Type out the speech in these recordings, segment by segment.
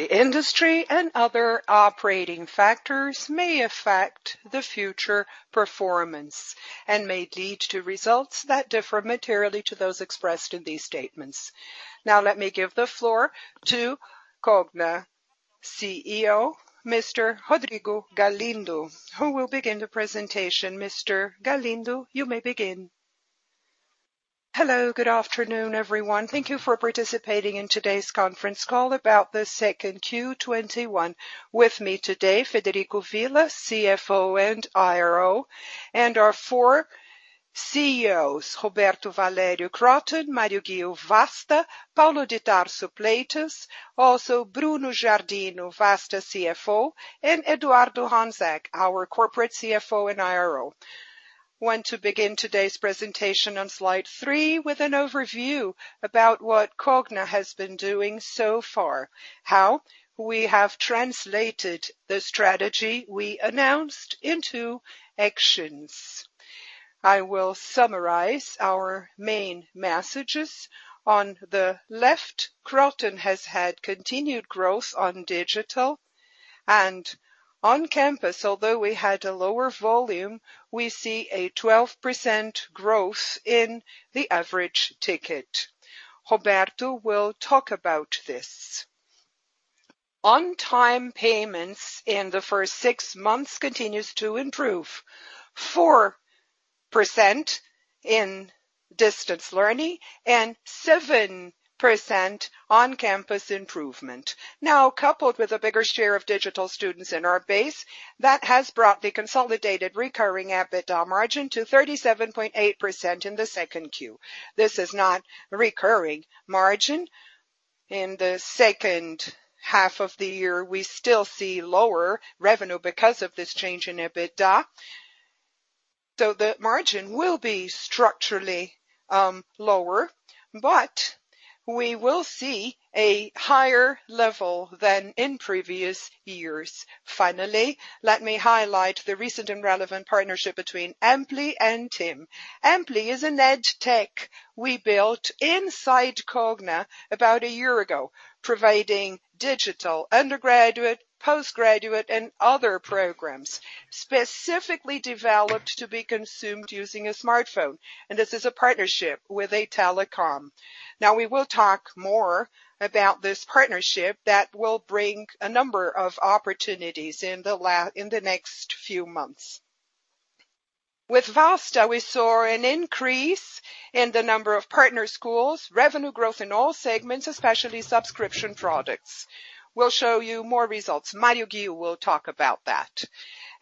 The industry and other operating factors may affect the future performance and may lead to results that differ materially to those expressed in these statements. Now let me give the floor to Cogna CEO, Mr. Rodrigo Galindo, who will begin the presentation. Mr. Galindo, you may begin. Hello, good afternoon, everyone. Thank you for participating in today's conference call about the second quarter2 2021. With me today, Frederico Villa, CFO and IRO, and our four CEOs, Roberto Valério, Kroton, Mario Ghio, Vasta, Paulo de Tarso, Platos. Also Bruno Giardino, Vasta CFO, and Eduardo Honzak, our corporate CFO and IRO. I want to begin today's presentation on slide 3 with an overview about what Cogna has been doing so far, how we have translated the strategy we announced into actions. I will summarize our main messages. On the left, Kroton has had continued growth on digital and on-campus. Although we had a lower volume, we see a 12% growth in the average ticket. Roberto will talk about this. On-time payments in the first 6 months continues to improve, 4% in distance learning and 7% on-campus improvement. Now, coupled with a bigger share of digital students in our base, that has brought the consolidated recurring EBITDA margin to 37.8% in the second quarter. This is not recurring margin. In the second half of the year, we still see lower revenue because of this change in EBITDA. The margin will be structurally lower, but we will see a higher level than in previous years. Finally, let me highlight the recent and relevant partnership between Ampli and TIM. Ampli is an edtech we built inside Cogna about 1 year ago providing digital, undergraduate, postgraduate, and other programs specifically developed to be consumed using a smartphone. This is a partnership with a telecom. Now we will talk more about this partnership that will bring a number of opportunities in the next few months. With Vasta, we saw an increase in the number of partner schools, revenue growth in all segments, especially subscription products. We'll show you more results. Mario Ghio will talk about that.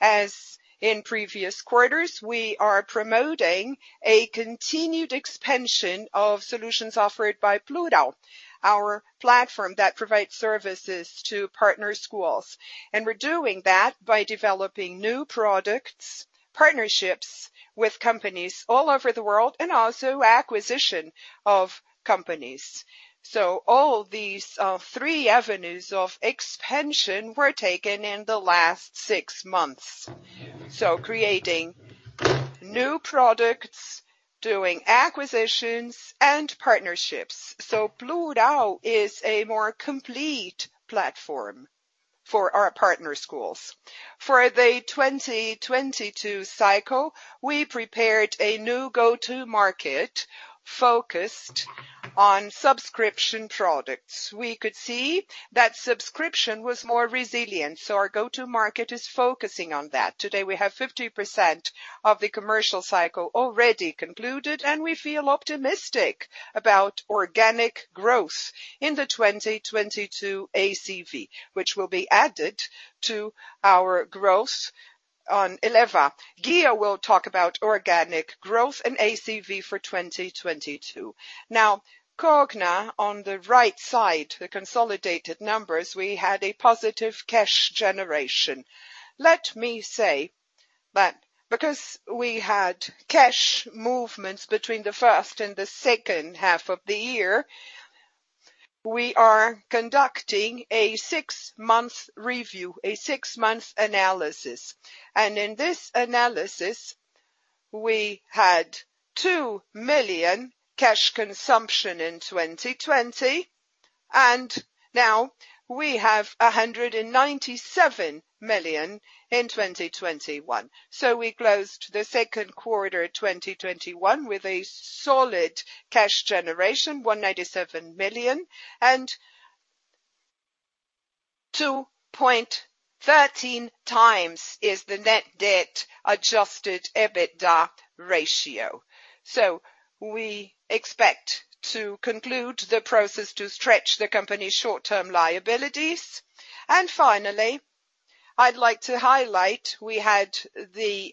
As in previous quarters, we are promoting a continued expansion of solutions offered by Plurall, our platform that provides services to partner schools. We're doing that by developing new products, partnerships with companies all over the world, and also acquisition of companies. All these three avenues of expansion were taken in the last six months. Creating new products, doing acquisitions, and partnerships. Plurall is a more complete platform for our partner schools. For the 2022 cycle, we prepared a new go-to market focused on subscription products. We could see that subscription was more resilient. Our go-to market is focusing on that. Today, we have 50% of the commercial cycle already concluded. We feel optimistic about organic growth in the 2022 ACV, which will be added to our growth on Eleva. Ghio will talk about organic growth and ACV for 2022. Cogna on the right side, the consolidated numbers, we had a positive cash generation. Let me say that because we had cash movements between the first and the second half of the year, we are conducting a 6-month review, a 6-month analysis. In this analysis, we had 2 million cash consumption in 2020. Now we have 197 million in 2021. We closed the second quarter 2021 with a solid cash generation, 197 million, and 2.13x is the net debt adjusted EBITDA ratio. We expect to conclude the process to stretch the company's short-term liabilities. Finally, I'd like to highlight we had the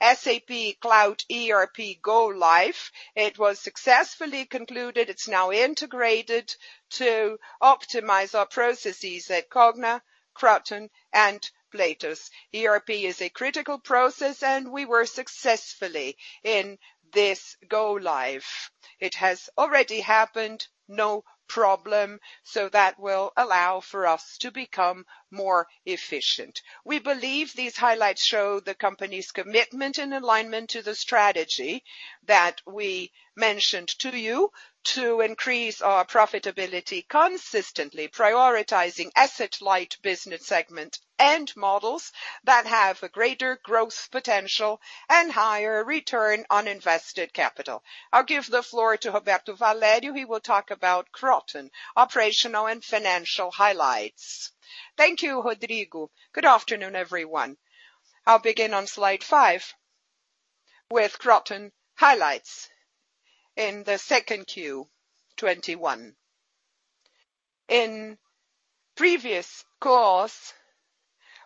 SAP Cloud ERP go live. It was successfully concluded. It's now integrated to optimize our processes at Cogna, Kroton, and Platos. ERP is a critical process, and we were successfully in this go live. It has already happened, no problem. That will allow for us to become more efficient. We believe these highlights show the company's commitment and alignment to the strategy that we mentioned to you to increase our profitability consistently, prioritizing asset-light business segment and models that have a greater growth potential and higher return on invested capital. I'll give the floor to Roberto Valério. He will talk about Kroton operational and financial highlights. Thank you, Rodrigo. Good afternoon, everyone. I'll begin on slide 5 with Kroton highlights in the second quarter 2021. In previous course,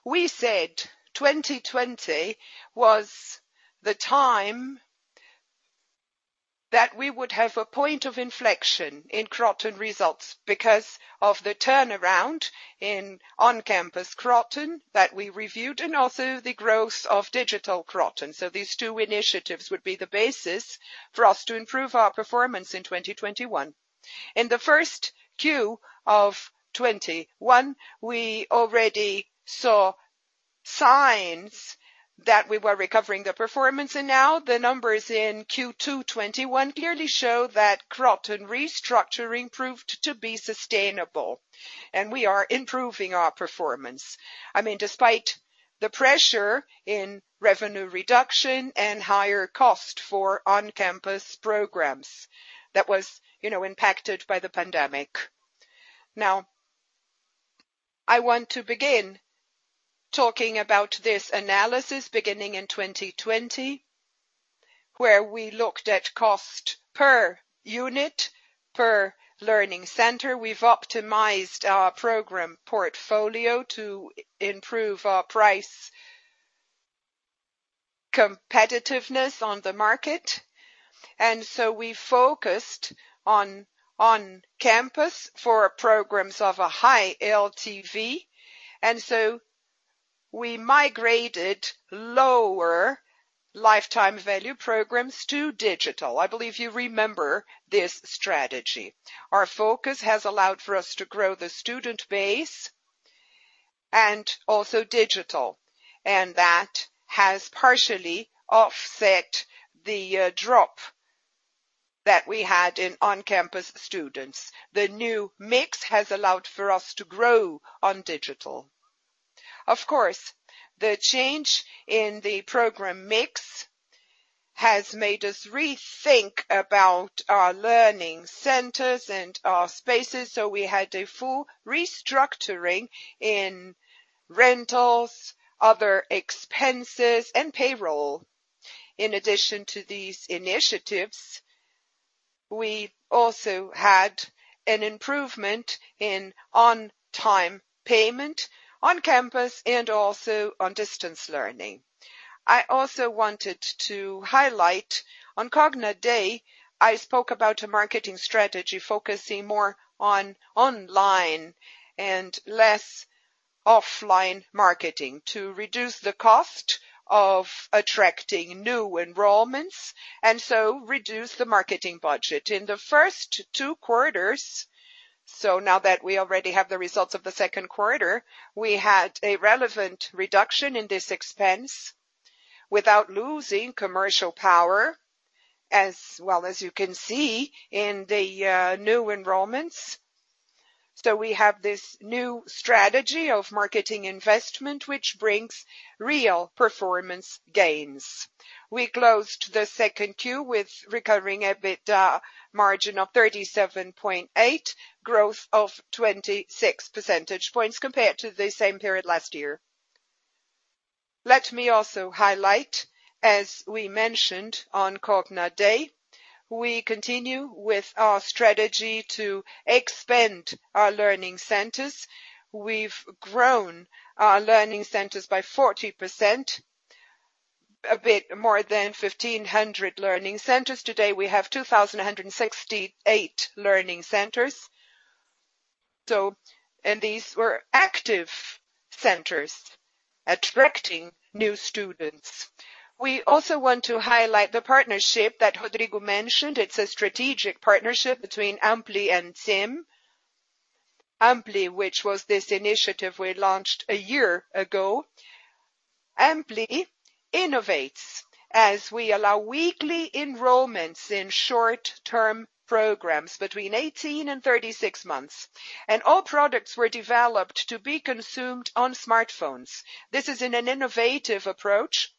we said 2020 was the time that we would have a point of inflection in Kroton results because of the turnaround in on-campus Kroton that we reviewed, and also the growth of digital Kroton. These two initiatives would be the basis for us to improve our performance in 2021. In the first Q of 2021, we already saw signs that we were recovering the performance, and now the numbers in Q2 2021 clearly show that Kroton restructuring proved to be sustainable, and we are improving our performance. Despite the pressure in revenue reduction and higher cost for on-campus programs, that was impacted by the pandemic. I want to begin talking about this analysis beginning in 2020, where we looked at cost per unit, per learning center. We've optimized our program portfolio to improve our price competitiveness on the market. We focused on on-campus for programs of a high LTV. We migrated lower lifetime value programs to digital. I believe you remember this strategy. Our focus has allowed for us to grow the student base and also digital. That has partially offset the drop that we had in on-campus students. The new mix has allowed for us to grow on digital. Of course, the change in the program mix has made us rethink about our learning centers and our spaces, so we had a full restructuring in rentals, other expenses, and payroll. In addition to these initiatives, we also had an improvement in on-time payment on campus and also on distance learning. I also wanted to highlight on Cogna Day, I spoke about a marketing strategy focusing more on online and less offline marketing to reduce the cost of attracting new enrollments, reduce the marketing budget. In the first two quarters, now that we already have the results of the second quarter, we had a relevant reduction in this expense without losing commercial power, as well as you can see in the new enrollments. We have this new strategy of marketing investment, which brings real performance gains. We closed the second quarter with recovering EBITDA margin of 37.8, growth of 26 percentage points compared to the same period last year. Let me also highlight, as we mentioned on Cogna Day, we continue with our strategy to expand our learning centers. We've grown our learning centers by 40%, a bit more than 1,500 learning centers. Today, we have 2,168 learning centers. These were active centers attracting new students. We also want to highlight the partnership that Rodrigo mentioned. It's a strategic partnership between Ampli and TIM. Ampli, which was this initiative we launched a year ago. Ampli innovates as we allow weekly enrollments in short-term programs between 18 and 36 months. All products were developed to be consumed on smartphones. This is an innovative approach.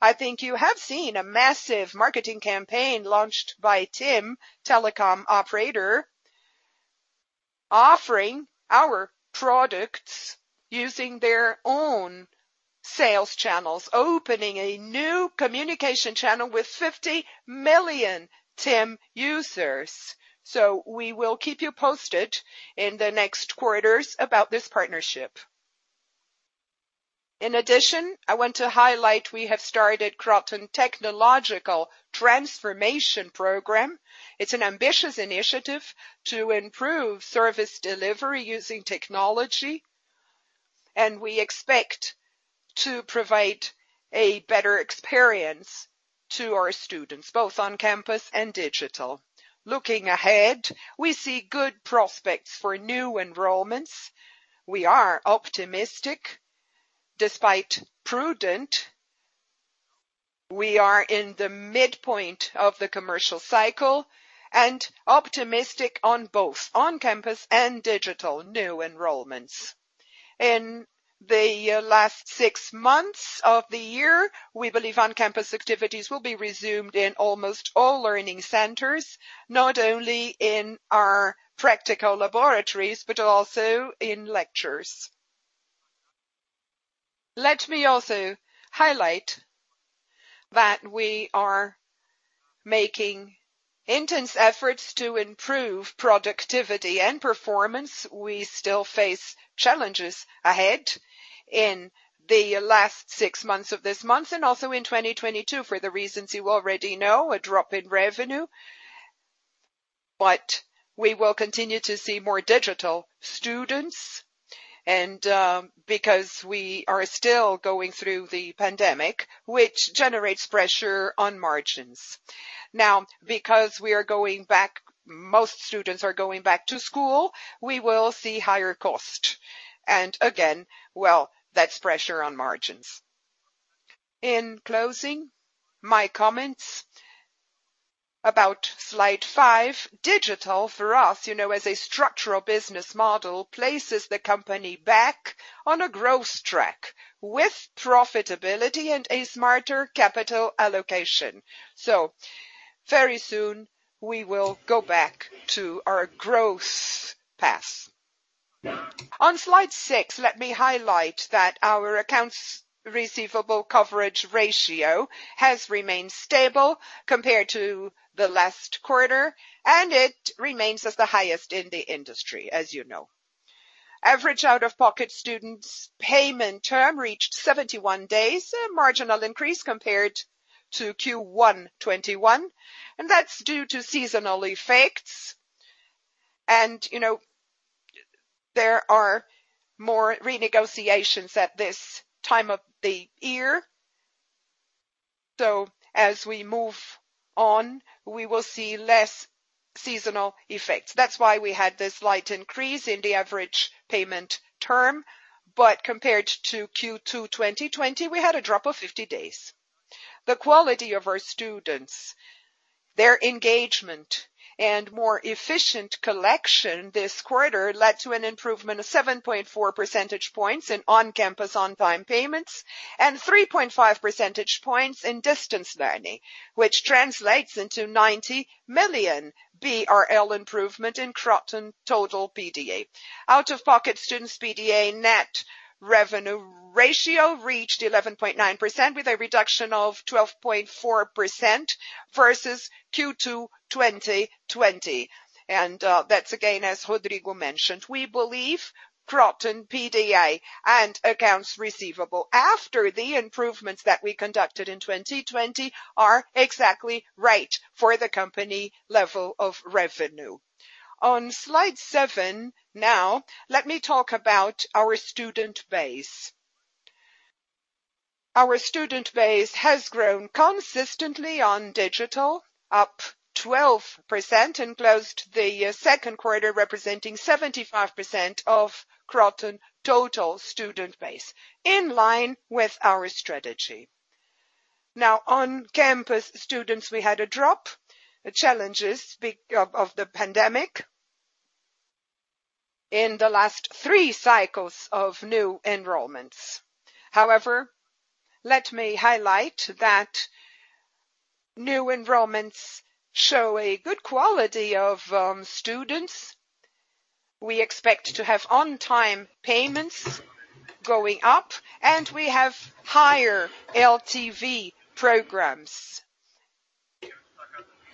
I think you have seen a massive marketing campaign launched by TIM telecom operator offering our products using their own sales channels, opening a new communication channel with 50 million TIM users. We will keep you posted in the next quarters about this partnership. I want to highlight we have started Kroton Technological Transformation Program. It's an ambitious initiative to improve service delivery using technology. We expect to provide a better experience to our students, both on campus and digital. Looking ahead, we see good prospects for new enrollments. We are optimistic, despite prudent. We are in the midpoint of the commercial cycle and optimistic on both on-campus and digital new enrollments. In the last six months of the year, we believe on-campus activities will be resumed in almost all learning centers, not only in our practical laboratories, but also in lectures. Let me also highlight that we are making intense efforts to improve productivity and performance. We still face challenges ahead in the last six months of this month and also in 2022 for the reasons you already know, a drop in revenue. We will continue to see more digital students and because we are still going through the pandemic, which generates pressure on margins. Because most students are going back to school, we will see higher cost. Again, well, that's pressure on margins. In closing, my comments about slide 5. Digital for us, as a structural business model, places the company back on a growth track with profitability and a smarter capital allocation. Very soon we will go back to our growth path. On slide 6, let me highlight that our accounts receivable coverage ratio has remained stable compared to the last quarter, and it remains as the highest in the industry, as you know. Average out-of-pocket students' payment term reached 71 days, a marginal increase compared to Q1 2021, and that's due to seasonal effects. There are more renegotiations at this time of the year. As we move on, we will see less seasonal effects. That's why we had this slight increase in the average payment term. Compared to Q2 2020, we had a drop of 50 days. The quality of our students, their engagement, and more efficient collection this quarter led to an improvement of 7.4 percentage points in on-campus, on-time payments and 3.5 percentage points in distance learning, which translates into 90 million BRL improvement in Kroton total PDA. Out-of-pocket students PDA net revenue ratio reached 11.9% with a reduction of 12.4% versus Q2 2020. That's again, as Rodrigo mentioned. We believe Kroton PDA and accounts receivable after the improvements that we conducted in 2020 are exactly right for the company level of revenue. On slide 7, now let me talk about our student base. Our student base has grown consistently on digital, up 12% and closed the second quarter representing 75% of Kroton total student base, in line with our strategy. On-campus students, we had a drop, challenges of the pandemic in the last three cycles of new enrollments. Let me highlight that new enrollments show a good quality of students. We expect to have on-time payments going up, and we have higher LTV programs.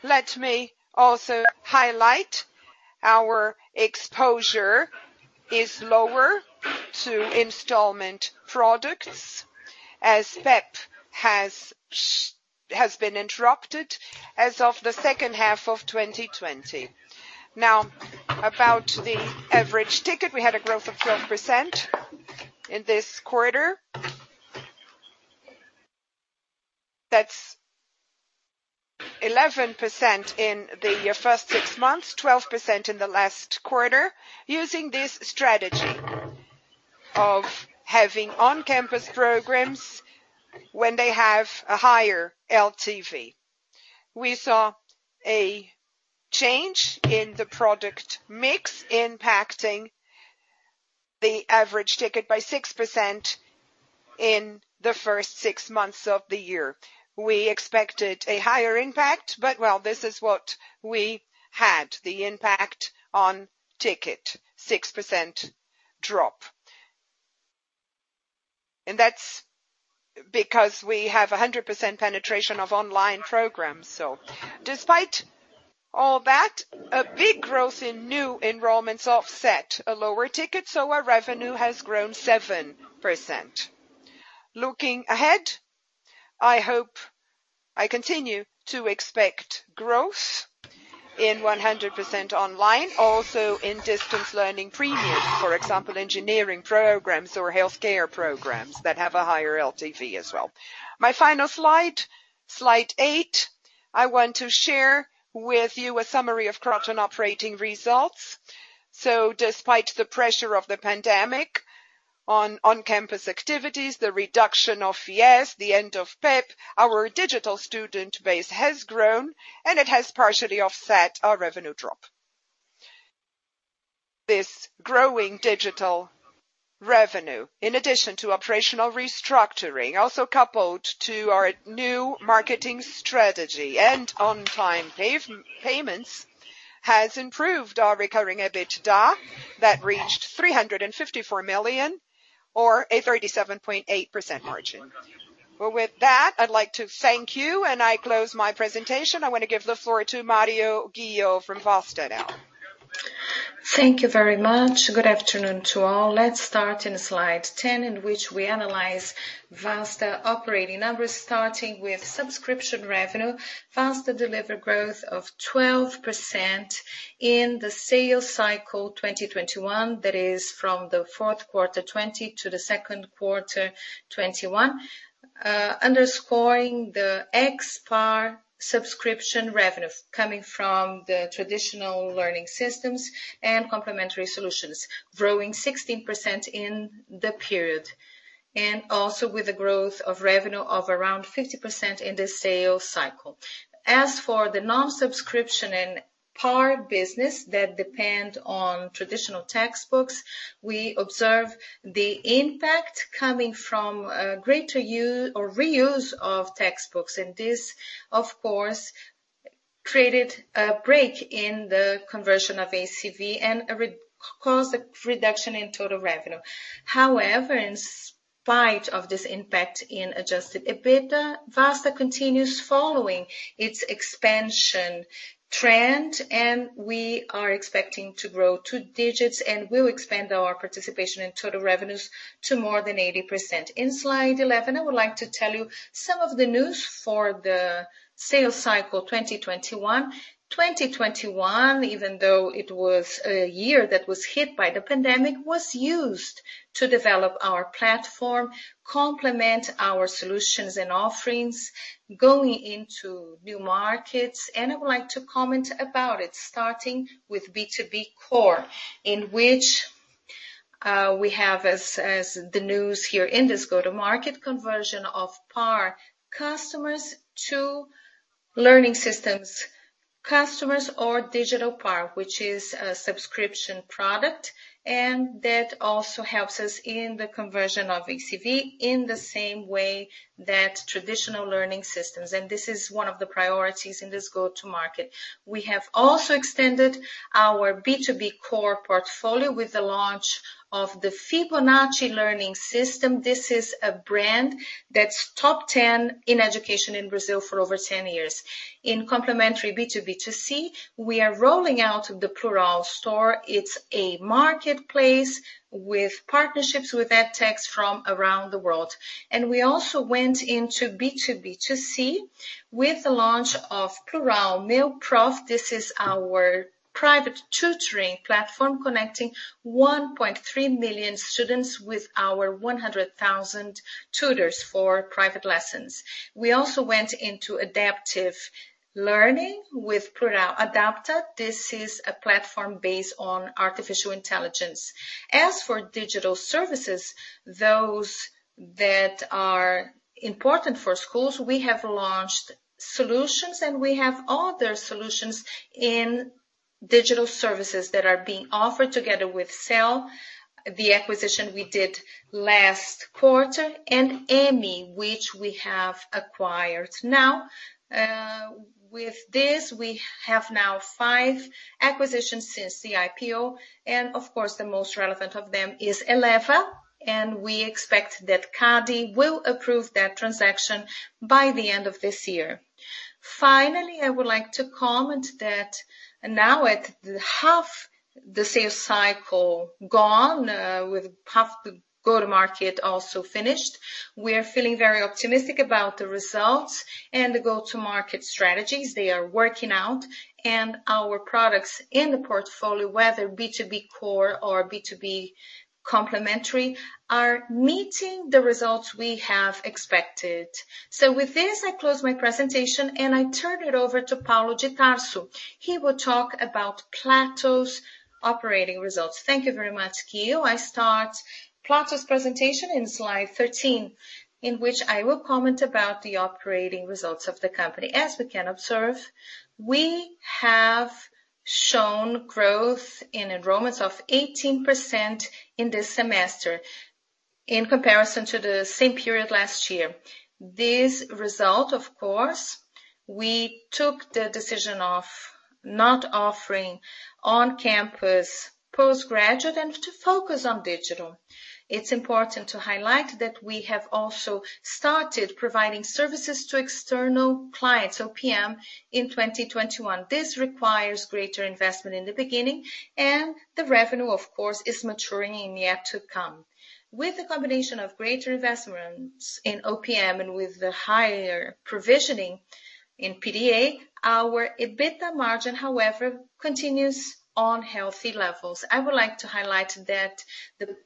Let me also highlight our exposure is lower to installment products as PEP has been interrupted as of the second half of 2020. About the average ticket, we had a growth of 12% in this quarter. That's 11% in the first six months, 12% in the last quarter, using this strategy of having on-campus programs when they have a higher LTV. We saw a change in the product mix impacting the average ticket by 6% in the first 6 months of the year. We expected a higher impact. Well, this is what we had, the impact on ticket, 6% drop. That's because we have 100% penetration of online programs. Despite all that, a big growth in new enrollments offset a lower ticket, so our revenue has grown 7%. Looking ahead, I continue to expect growth in 100% online, also in distance learning premium, for example, engineering programs or healthcare programs that have a higher LTV as well. My final slide 8, I want to share with you a summary of Kroton operating results. Despite the pressure of the pandemic on on-campus activities, the reduction of FIES, the end of PEP, our digital student base has grown, and it has partially offset our revenue drop. This growing digital revenue, in addition to operational restructuring, also coupled to our new marketing strategy and on-time payments, has improved our recurring EBITDA that reached 354 million or a 37.8% margin. With that, I'd like to thank you, and I close my presentation. I want to give the floor to Mario Ghio from Vasta now. Thank you very much. Good afternoon to all. Let's start in slide 10 in which we analyze Vasta operating numbers starting with subscription revenue. Vasta delivered growth of 12% in the sales cycle 2021. That is from the fourth quarter 2020 to the second quarter 2021, underscoring the ex-PAR subscription revenue coming from the traditional learning systems and complementary solutions, growing 16% in the period and also with the growth of revenue of around 50% in the sales cycle. As for the non-subscription and PAR business that depend on traditional textbooks, we observe the impact coming from greater use or reuse of textbooks. This, of course, created a break in the conversion of ACV and a cost reduction in total revenue. However, in spite of this impact in adjusted EBITDA, Vasta continues following its expansion trend, and we are expecting to grow 2 digits and will expand our participation in total revenues to more than 80%. In slide 11, I would like to tell you some of the news for the sales cycle 2021. 2021, even though it was a year that was hit by the pandemic, was used to develop our platform, complement our solutions and offerings going into new markets. I would like to comment about it starting with B2B core in which we have as the news here in this go-to-market conversion of PAR customers to learning systems customers or digital PAR, which is a subscription product, and that also helps us in the conversion of ACV in the same way that traditional learning systems. This is one of the priorities in this go-to-market. We have also extended our B2B core portfolio with the launch of the Fibonacci learning system. This is a brand that's top 10 in education in Brazil for over 10 years. In complementary B2B2C, we are rolling out the Plurall Store. It's a marketplace with partnerships with edtechs from around the world. We also went into B2B2C with the launch of Plurall Meu Prof. This is our private tutoring platform connecting 1.3 million students with our 100,000 tutors for private lessons. We also went into adaptive learning with Plurall Adapta. This is a platform based on artificial intelligence. As for digital services, those that are important for schools, we have launched solutions, and we have other solutions in digital services that are being offered together with SEL, the acquisition we did last quarter, and Ami, which we have acquired now. With this, we have now 5 acquisitions since the IPO, and of course, the most relevant of them is Eleva, and we expect that CADE will approve that transaction by the end of this year. Finally, I would like to comment that now with half the sales cycle gone, with half the go-to-market also finished, we are feeling very optimistic about the results and the go-to-market strategies. They are working out, and our products in the portfolio, whether B2B core or B2B complementary, are meeting the results we have expected. With this, I close my presentation, and I turn it over to Paulo de Tarso. He will talk about Platos operating results. Thank you very much, Ghio. I start Platos presentation in slide 13, in which I will comment about the operating results of the company. As we can observe, we have shown growth in enrollments of 18% in this semester in comparison to the same period last year. This result, of course, we took the decision of not offering on-campus post-graduate and to focus on digital. It's important to highlight that we have also started providing services to external clients, OPM, in 2021. This requires greater investment in the beginning, and the revenue, of course, is maturing in the year to come. With the combination of greater investments in OPM and with the higher provisioning in PDA, our EBITDA margin, however, continues on healthy levels. I would like to highlight that the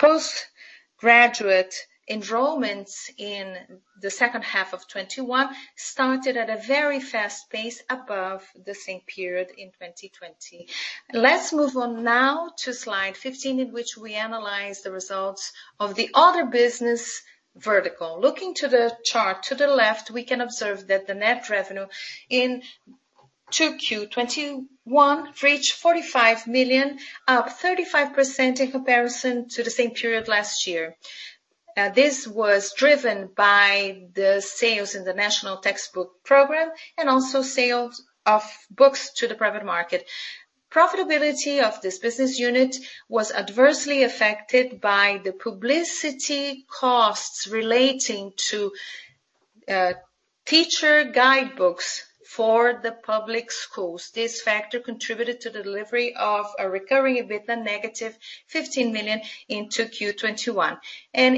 post-graduate enrollments in the second half of 2021 started at a very fast pace above the same period in 2020. Let's move on now to slide 15, in which we analyze the results of the other business vertical. Looking to the chart to the left, we can observe that the net revenue in 2Q '21 reached 45 million, up 35% in comparison to the same period last year. This was driven by the sales in the National Textbook Program and also sales of books to the private market. Profitability of this business unit was adversely affected by the publicity costs relating to teacher guidebooks for the public schools. This factor contributed to the delivery of a recurring EBITDA -15 million into Q 2021.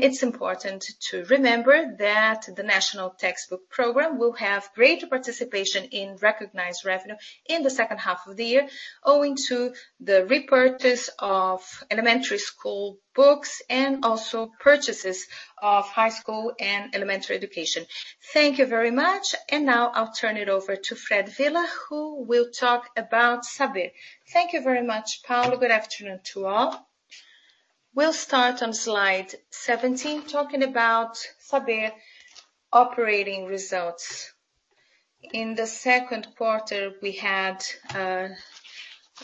It's important to remember that the National Textbook Program will have greater participation in recognized revenue in the second half of the year, owing to the repurchase of elementary school books and also purchases of high school and elementary education. Thank you very much. Now I'll turn it over to Fred Villa, who will talk about Saber. Thank you very much, Paulo. Good afternoon to all. We'll start on slide 17, talking about Saber operating results. In the second quarter, we had a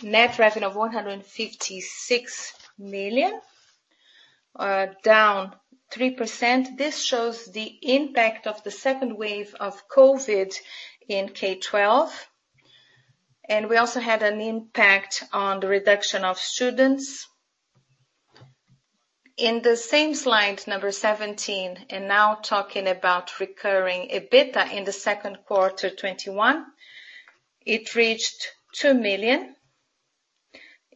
net revenue of 156 million, down 3%. This shows the impact of the second wave of COVID in K-12, and we also had an impact on the reduction of students. In the same slide, number 17, and now talking about recurring EBITDA in the second quarter 2021, it reached 2 million.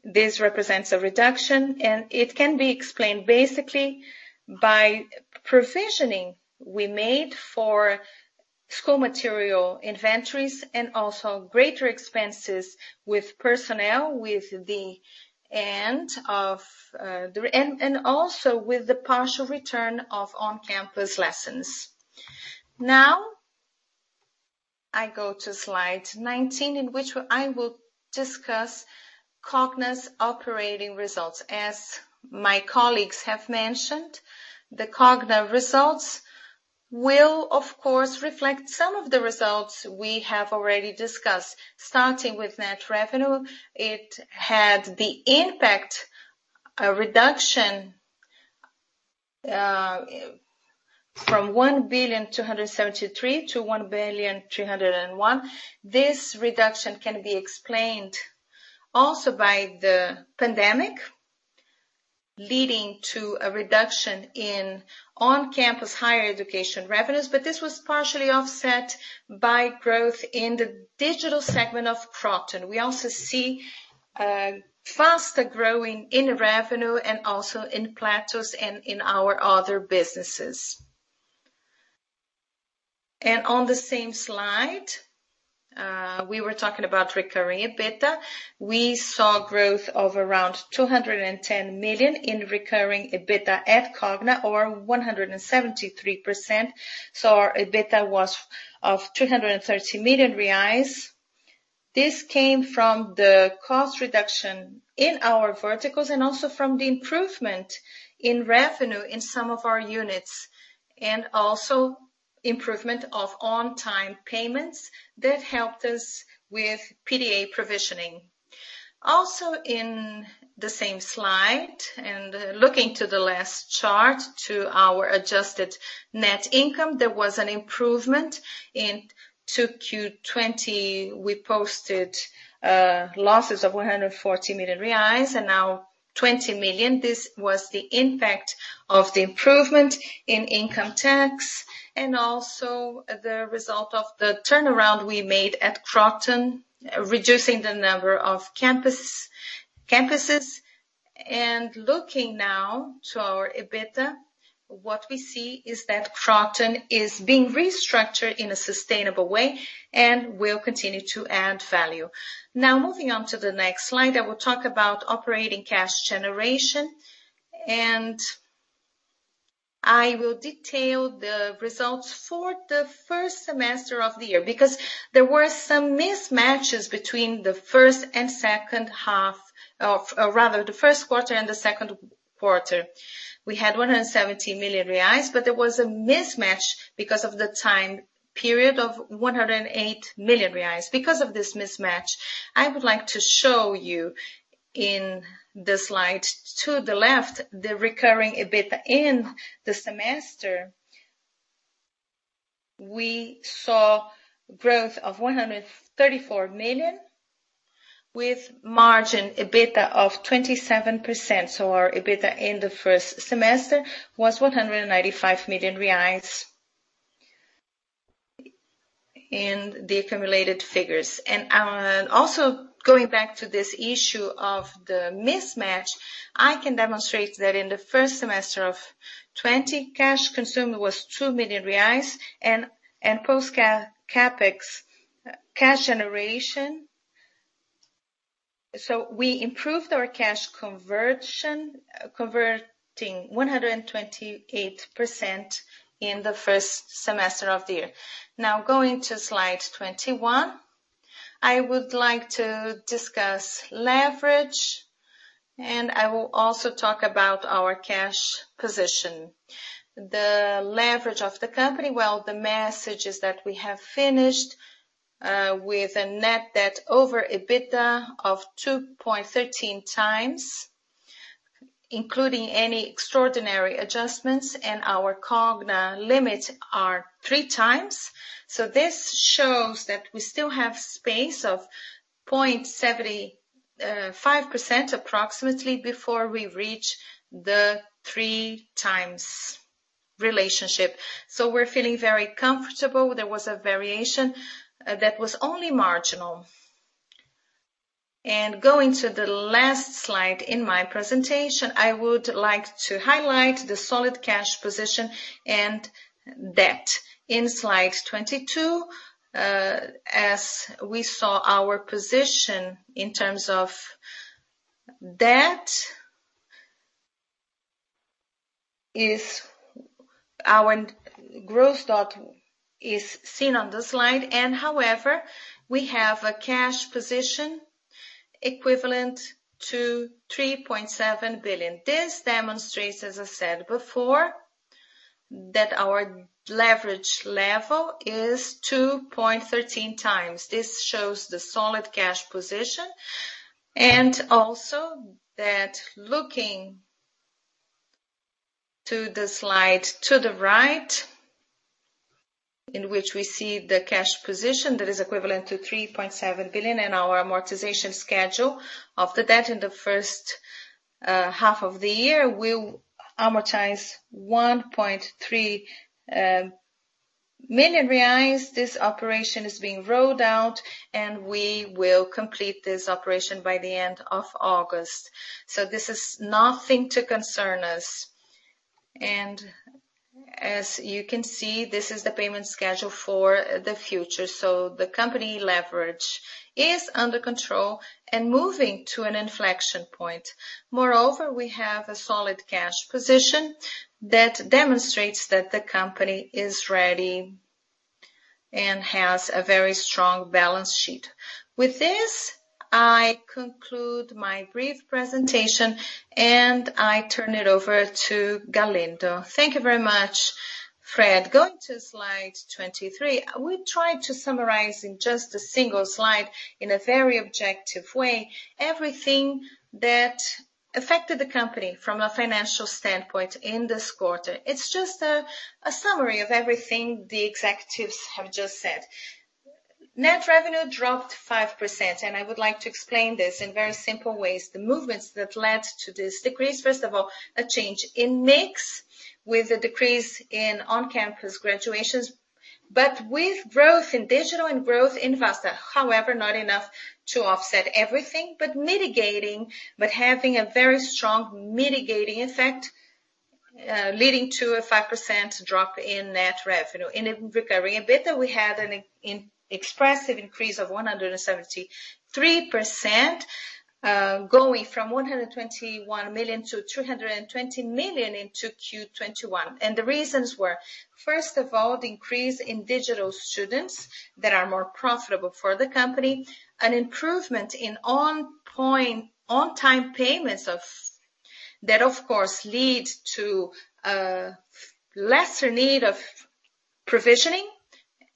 This represents a reduction, and it can be explained basically by provisioning we made for school material inventories and also greater expenses with personnel, and also with the partial return of on-campus lessons. Now, I go to slide 19, in which I will discuss Cogna's operating results. As my colleagues have mentioned, the Cogna results will, of course, reflect some of the results we have already discussed. Starting with net revenue, it had the impact, a reduction from 1.273 billion to 1.301 billion. This reduction can be explained also by the pandemic, leading to a reduction in on-campus higher education revenues, but this was partially offset by growth in the digital segment of Kroton. We also see a faster growing in revenue and also in Platos and in our other businesses. On the same slide, we were talking about recurring EBITDA. We saw growth of around 210 million in recurring EBITDA at Cogna, or 173%. Our EBITDA was of 330 million reais. This came from the cost reduction in our verticals and also from the improvement in revenue in some of our units, and also improvement of on-time payments that helped us with PDA provisioning. In the same slide, looking to the last chart to our adjusted net income, there was an improvement. In 2Q20, we posted losses of 140 million reais, now 20 million. This was the impact of the improvement in income tax, also the result of the turnaround we made at Kroton, reducing the number of campuses. Looking now to our EBITDA, what we see is that Kroton is being restructured in a sustainable way, will continue to add value. Moving on to the next slide, I will talk about Operating Cash Generation. I will detail the results for the first semester of the year because there were some mismatches between the first quarter and the second quarter. We had 170 million reais. There was a mismatch because of the time period of 108 million reais. Because of this mismatch, I would like to show you in the slide to the left, the recurring EBITDA in the semester. We saw growth of 134 million with margin EBITDA of 27%. Our EBITDA in the first semester was 195 million reais in the accumulated figures. Also going back to this issue of the mismatch, I can demonstrate that in the first semester of 2020, cash consumed was 2 million reais and post CapEx cash generation. We improved our cash conversion, converting 128% in the first semester of the year. Going to slide 21, I would like to discuss leverage, and I will also talk about our cash position. The leverage of the company, well, the message is that we have finished with a net debt over EBITDA of 2.13x. Including any extraordinary adjustments and our Cogna limit are 3x. This shows that we still have space of 0.75% approximately before we reach the 3x relationship. We're feeling very comfortable. There was a variation that was only marginal. Going to the last slide in my presentation, I would like to highlight the solid cash position and debt. In slide 22, as we saw our position in terms of debt, our gross debt is seen on the slide. However, we have a cash position equivalent to 3.7 billion. This demonstrates, as I said before, that our leverage level is 2.13x. This shows the solid cash position, and also that looking to the slide to the right, in which we see the cash position that is equivalent to 3.7 billion in our amortization schedule. Of the debt in the first half of the year, we'll amortize 1.3 million reais. This operation is being rolled out, and we will complete this operation by the end of August. This is nothing to concern us. As you can see, this is the payment schedule for the future. Moreover, we have a solid cash position that demonstrates that the company is ready and has a very strong balance sheet. With this, I conclude my brief presentation, and I turn it over to Galindo. Thank you very much, Fred. Going to slide 23. We tried to summarize in just a single slide, in a very objective way, everything that affected the company from a financial standpoint in this quarter. It's just a summary of everything the executives have just said. Net revenue dropped 5%, and I would like to explain this in very simple ways. The movements that led to this decrease, first of all, a change in mix with a decrease in on-campus graduations, but with growth in digital and growth in Vasta. Not enough to offset everything, but having a very strong mitigating effect, leading to a 5% drop in net revenue. In recovery EBITDA, we had an expressive increase of 173%, going from 121 million to 320 million into Q2 2021. The reasons were, first of all, the increase in digital students that are more profitable for the company, an improvement in on-time payments that of course lead to a lesser need of provisioning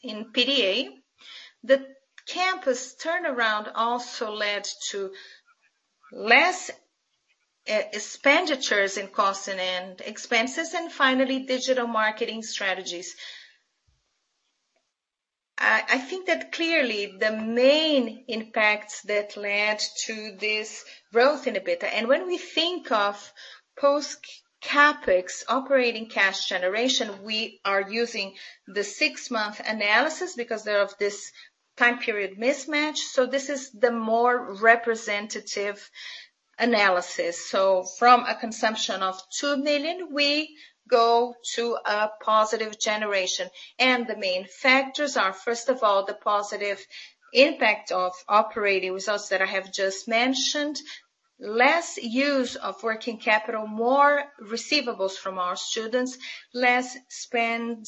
in PDA. The campus turnaround also led to less expenditures in cost and expenses, and finally, digital marketing strategies. I think that clearly the main impacts that led to this growth in EBITDA. When we think of post CapEx operating cash generation, we are using the six-month analysis because of this time period mismatch. This is the more representative analysis. From a consumption of 2 million, we go to a positive generation. The main factors are, first of all, the positive impact of operating results that I have just mentioned, less use of working capital, more receivables from our students, less spend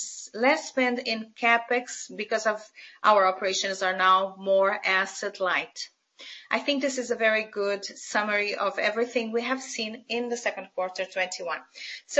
in CapEx because our operations are now more asset light. I think this is a very good summary of everything we have seen in Q2 2021.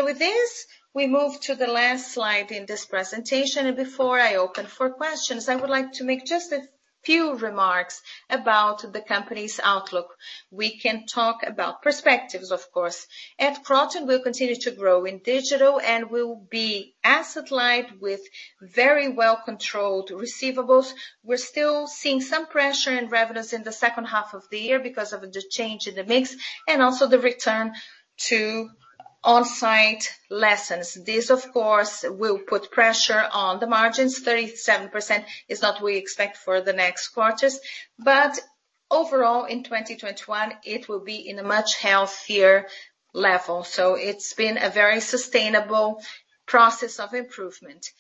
With this, we move to the last slide in this presentation. Before I open for questions, I would like to make just a few remarks about the company's outlook. We can talk about perspectives, of course. At Kroton, we'll continue to grow in digital and we'll be asset light with very well-controlled receivables. We're still seeing some pressure in revenues in the second half of the year because of the change in the mix and also the return to on-site lessons. This, of course, will put pressure on the margins. 37% is what we expect for the next quarters. Overall, in 2021, it will be in a much healthier level. It's been a very sustainable process of improvement.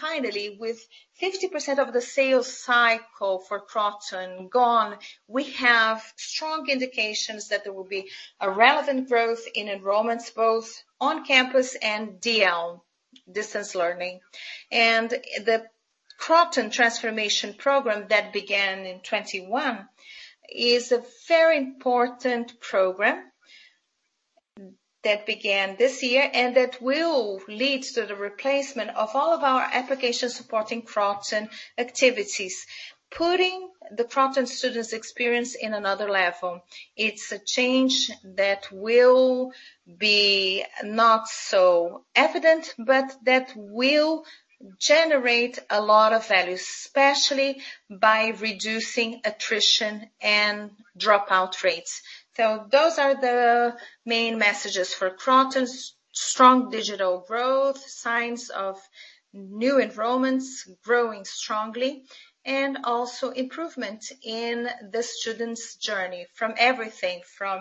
Finally, with 50% of the sales cycle for Kroton gone, we have strong indications that there will be a relevant growth in enrollments, both on campus and DL, distance learning. The Kroton Transformation Program that began in 2021 is a very important program that began this year and that will lead to the replacement of all of our applications supporting Kroton activities, putting the Kroton students' experience in another level. It's a change that will generate a lot of value, especially by reducing attrition and dropout rates. Those are the main messages for Kroton. Strong digital growth, signs of new enrollments growing strongly, and also improvement in the student's journey from everything from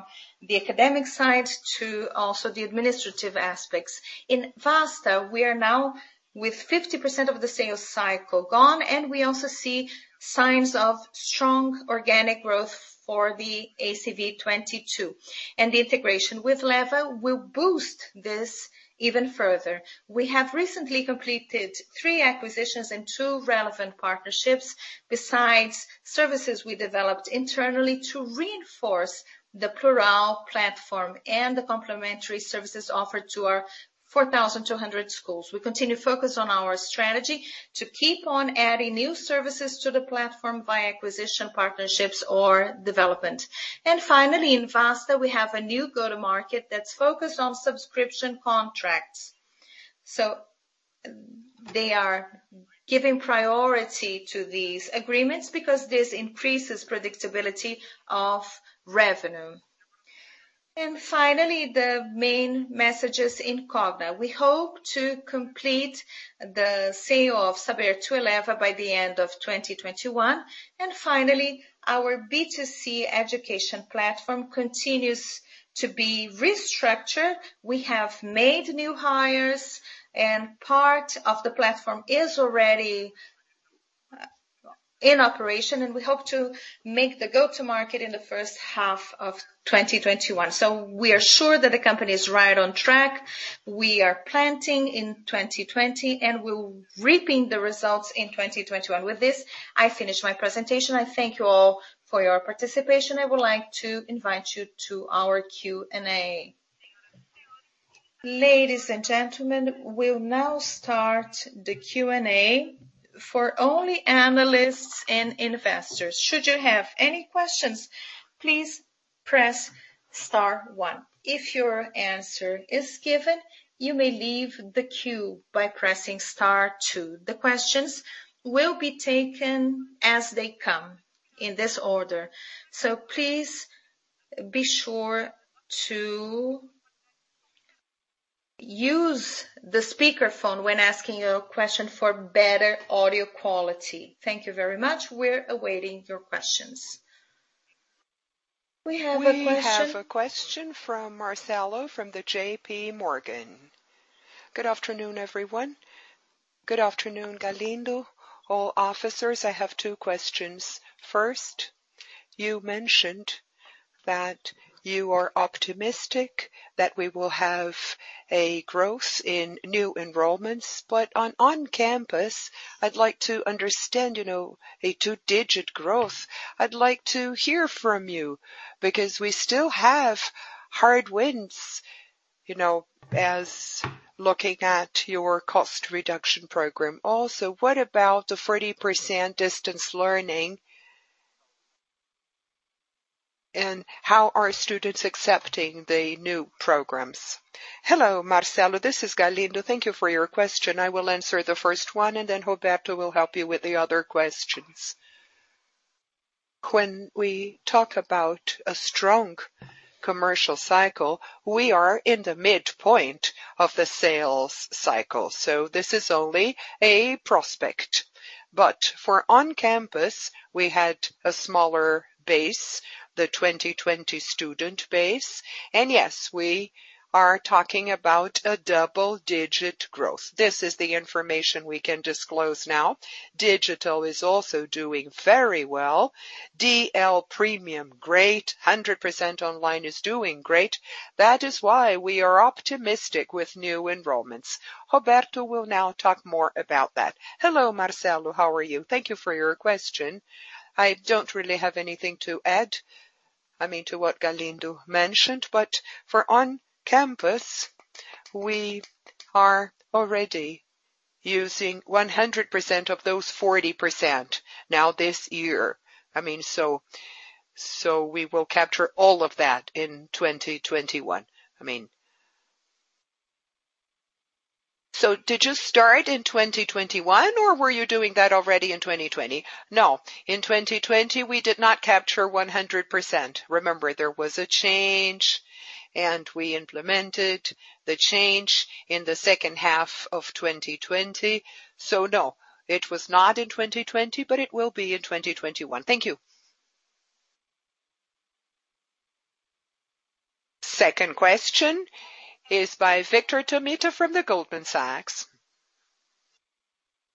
the academic side to also the administrative aspects. In Vasta, we are now with 50% of the sales cycle gone, and we also see signs of strong organic growth for the ACV 2022. The integration with Eleva will boost this even further. We have recently completed 3 acquisitions and 2 relevant partnerships besides services we developed internally to reinforce the Plurall platform and the complementary services offered to our 4,200 schools. We continue to focus on our strategy to keep on adding new services to the platform via acquisition partnerships or development. In Vasta, we have a new go-to-market that's focused on subscription contracts. They are giving priority to these agreements because this increases predictability of revenue. The main messages in Cogna. We hope to complete the sale of Saber to Eleva by the end of 2021. Our B2C education platform continues to be restructured. We have made new hires, and part of the platform is already in operation, and we hope to make the go-to-market in the first half of 2021. We are sure that the company is right on track. We are planting in 2020, and we're reaping the results in 2021. With this, I finish my presentation. I thank you all for your participation. I would like to invite you to our Q&A. Ladies and gentlemen, we'll now start the Q&A for only analysts and investors. Should you have any questions, please press star one. If your answer is given, you may leave the queue by pressing star two. The questions will be taken as they come in this order. Please be sure to use the speaker phone when asking a question for better audio quality. Thank you very much. We're awaiting your questions. We have a question from Marcelo from the JPMorgan. Good afternoon, everyone. Good afternoon, Galindo, all officers. I have two questions. First, you mentioned that you are optimistic that we will have a growth in new enrollments. On campus, I'd like to understand a two-digit growth. I'd like to hear from you because we still have hard winds, as looking at your cost reduction program. Also, what about the 40% distance learning? How are students accepting the new programs? Hello, Marcelo. This is Galindo. Thank you for your question. I will answer the first one. Roberto will help you with the other questions. When we talk about a strong commercial cycle, we are in the midpoint of the sales cycle. This is only a prospect. For on campus, we had a smaller base, the 2020 student base. Yes, we are talking about a double-digit growth. This is the information we can disclose now. Digital is also doing very well. DL premium, great. 100% online is doing great. That is why we are optimistic with new enrollments. Roberto will now talk more about that. Hello, Marcelo. How are you? Thank you for your question. I don't really have anything to add, I mean, to what Galindo mentioned. For on campus, we are already using 100% of those 40% now this year. We will capture all of that in 2021. Did you start in 2021, or were you doing that already in 2020? No. In 2020, we did not capture 100%. Remember, there was a change, and we implemented the change in the second half of 2020. No, it was not in 2020, but it will be in 2021. Thank you. Second question is by Victor Tomita from the Goldman Sachs.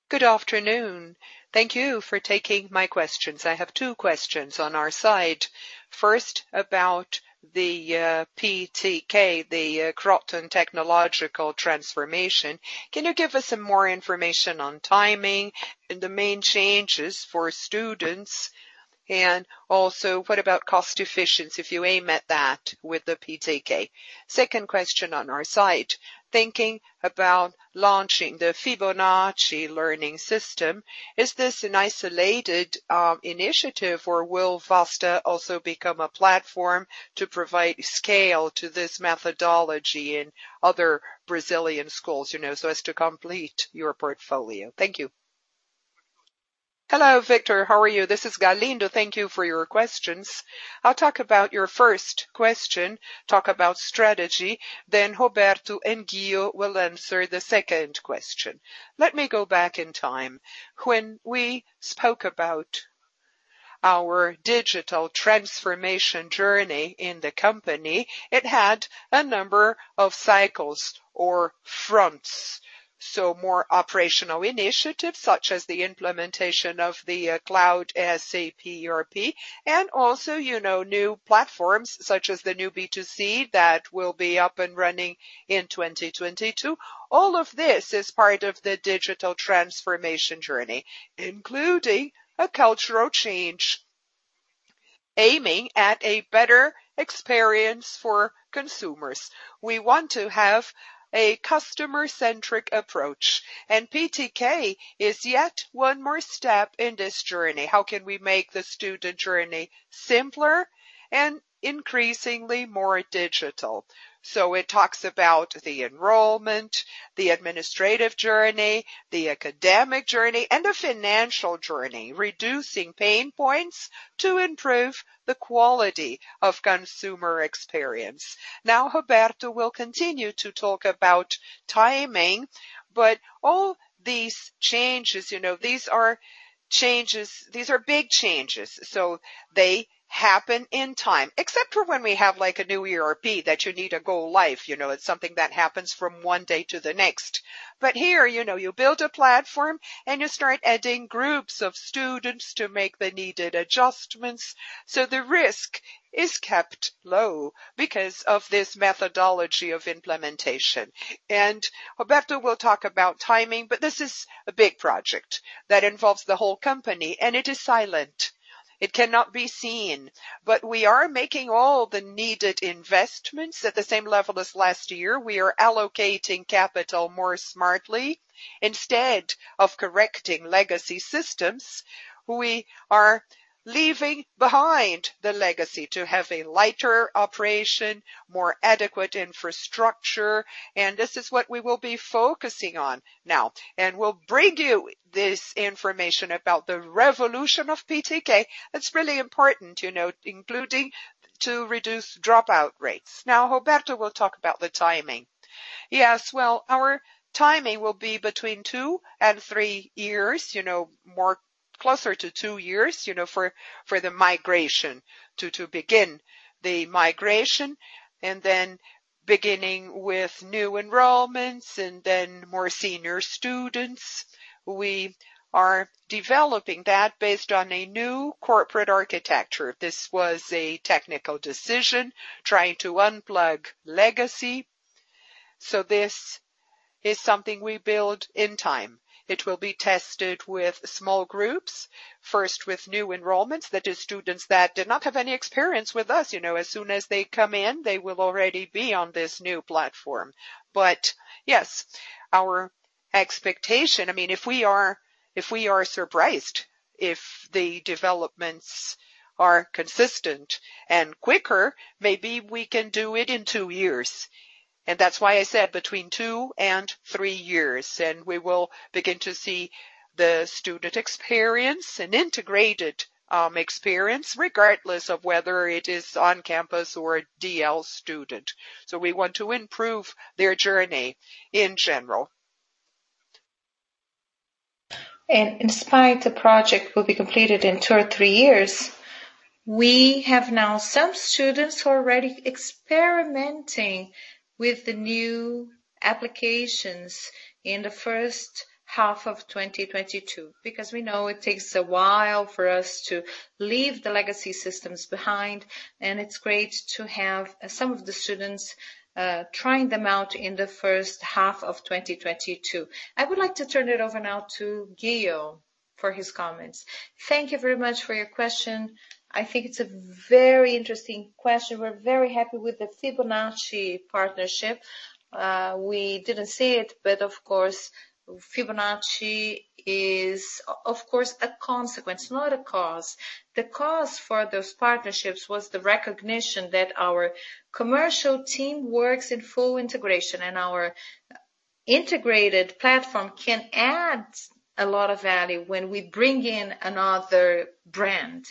Good afternoon. Thank you for taking my questions. I have 2 questions on our side. First, about the PTK, the Kroton Technological Transformation. Can you give us some more information on timing and the main changes for students? What about cost efficiency if you aim at that with the PTK? second question on our side. Thinking about launching the Fibonacci learning system, is this an isolated initiative, or will Vasta also become a platform to provide scale to this methodology in other Brazilian schools, so as to complete your portfolio? Thank you. Hello, Victor. How are you? This is Galindo. Thank you for your questions. I'll talk about your first question, talk about strategy, then Roberto and Ghio will answer the second question. Let me go back in time. When we spoke about our digital transformation journey in the company, it had a number of cycles or fronts. More operational initiatives, such as the implementation of the SAP Cloud ERP, and also new platforms such as the new B2C that will be up and running in 2022. All of this is part of the digital transformation journey, including a cultural change aiming at a better experience for consumers. We want to have a customer-centric approach. PTK is yet one more step in this journey. How can we make the student journey simpler and increasingly more digital? It talks about the enrollment, the administrative journey, the academic journey, and the financial journey, reducing pain points to improve the quality of consumer experience. Roberto will continue to talk about timing, but all these changes, these are big changes, so they happen in time, except for when we have a new ERP that you need to go live. It's something that happens from one day to the next. Here, you build a platform, and you start adding groups of students to make the needed adjustments. The risk is kept low because of this methodology of implementation. Roberto will talk about timing, but this is a big project that involves the whole company, and it is silent. It cannot be seen. We are making all the needed investments at the same level as last year. We are allocating capital more smartly. Instead of correcting legacy systems, we are leaving behind the legacy to have a lighter operation, more adequate infrastructure, and this is what we will be focusing on now. We'll bring you this information about the revolution of PTK. It's really important, including to reduce dropout rates. Now, Roberto will talk about the timing. Yes. Well, our timing will be between 2 and 3 years, closer to 2 years, for the migration. To begin the migration, and then beginning with new enrollments and then more senior students. We are developing that based on a new corporate architecture. This was a technical decision, trying to unplug legacy. This is something we build in time. It will be tested with small groups, first with new enrollments, that is students that did not have any experience with us. As soon as they come in, they will already be on this new platform. Yes, our expectation, if we are surprised, if the developments are consistent and quicker, maybe we can do it in 2 years. That is why I said between 2 and 3 years. We will begin to see the student experience, an integrated experience, regardless of whether it is on campus or a DL student. We want to improve their journey in general. In spite, the project will be completed in 2 or 3 years. We have now some students who are already experimenting with the new applications in the first half of 2022, because we know it takes a while for us to leave the legacy systems behind, and it's great to have some of the students trying them out in the first half of 2022. I would like to turn it over now to Ghio for his comments. Thank you very much for your question. I think it's a very interesting question. We're very happy with the Fibonacci partnership. We didn't see it, but of course, Fibonacci is, of course, a consequence, not a cause. The cause for those partnerships was the recognition that our commercial team works in full integration, and our integrated platform can add a lot of value when we bring in another brand.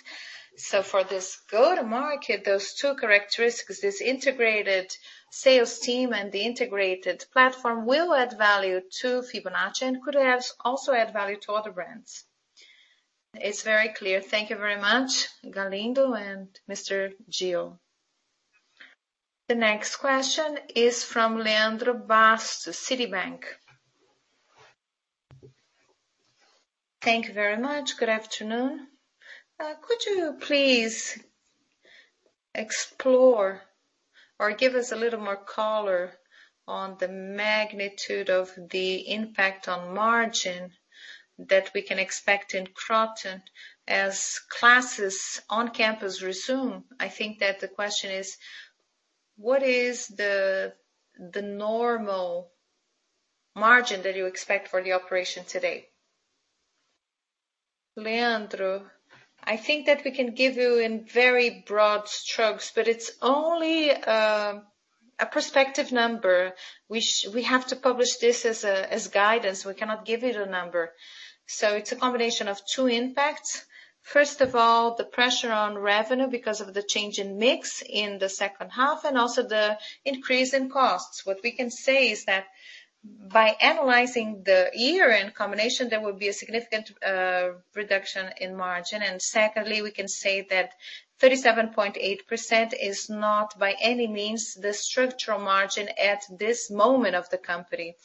For this go-to-market, those two characteristics, this integrated sales team and the integrated platform will add value to Fibonacci and could also add value to other brands. It's very clear. Thank you very much, Galindo and Mr. Ghio. The next question is from Leandro Bastos, Citibank. Thank you very much. Good afternoon. Could you please explore or give us a little more color on the magnitude of the impact on margin that we can expect in Kroton as classes on campus resume? I think that the question is, what is the normal margin that you expect for the operation today? Leandro, I think that we can give you in very broad strokes, but it's only a prospective number. We have to publish this as guidance. We cannot give you the number. It's a combination of 2 impacts. First of all, the pressure on revenue because of the change in mix in the second half and also the increase in costs. What we can say is that by analyzing the year in combination, there will be a significant reduction in margin. Secondly, we can say that 37.8% is not by any means the structural margin at this moment of the company.